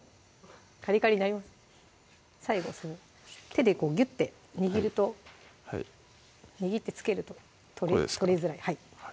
カリカリになります手でこうギュッて握ると握ってつけると取れづらい